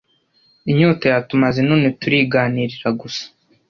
inyota yatumaze none tuliganirira gusa!!